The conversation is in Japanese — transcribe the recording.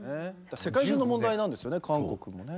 世界中の問題なんですよね韓国もね。